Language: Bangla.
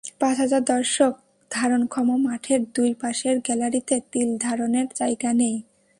পাঁচ হাজার দর্শক ধারণক্ষম মাঠের দুই পাশের গ্যালারিতে তিল ধারণের জায়গা নেই।